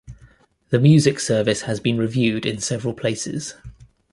The music service has been reviewed in several places.